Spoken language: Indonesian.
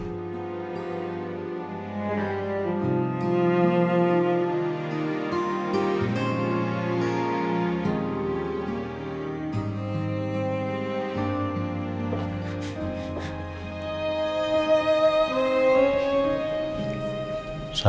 kita harus kembali ke penjara